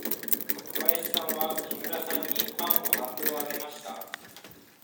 小林さんは木村さんにパンを半分あげました。